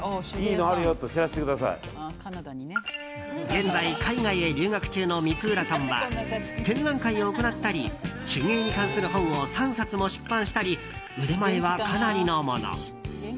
現在、海外へ留学中の光浦さんは展覧会を行ったり手芸に関する本を３冊も出版したり腕前はかなりのもの。